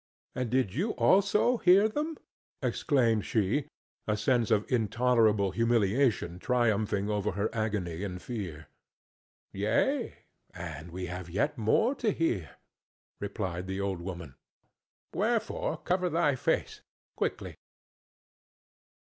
"And did you also hear them?" exclaimed she, a sense of intolerable humiliation triumphing over her agony and fear. "Yea, and we have yet more to hear," replied the old woman, "wherefore cover thy face quickly."